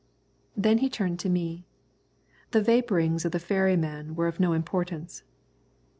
Then he turned to me. The vapourings of the ferryman were of no importance.